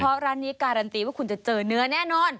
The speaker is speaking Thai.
เพราะร้านนี้การันตีว่าคุณจะเจอเนื้อแน่นอน